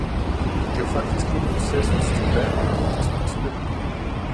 Det er jo faktisk hele processens troværdighed, der står på spil.